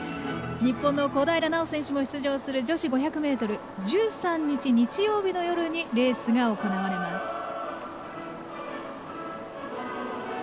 日本の小平奈緒選手も出場する女子５００ｍ１３日、日曜日の夜にレースが行われます。